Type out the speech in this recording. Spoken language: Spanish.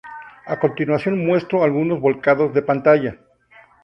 A continuación muestro algunos volcados de pantalla